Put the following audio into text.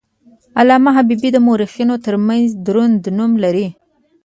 علامه حبیبي د مورخینو ترمنځ دروند نوم لري.